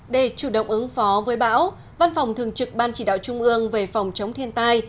để chủ động ứng phó với bão văn phòng thường trực ban chỉ đạo trung ương về phòng chống thiên tai